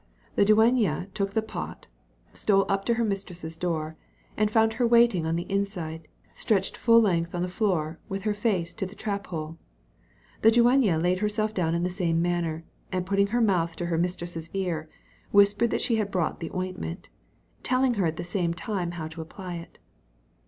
The dueña took the pot, stole up to her mistress's door, and found her waiting on the inside, stretched full length on the floor, with her face to the trap hole. The dueña laid herself down in the same manner, and putting her mouth to her mistress's ear, whispered that she had brought the ointment, telling her at the same time how to apply it.